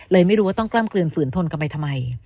เลยไม่รู้ว่าต้องกล้ามเกลือนฝืนทนกลับไปทำไม